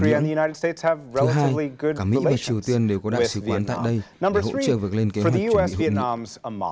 nếu trung dương và thượng đỉnh lần thứ hai cả mỹ và triều tiên đều có đạo sứ quán tại đây để hỗ trợ vượt lên kế hoạch chuẩn bị hợp lực